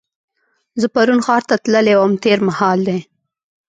زه پرون ښار ته تللې وم تېر مهال دی.